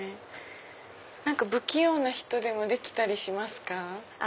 不器用な人でもできたりしますか？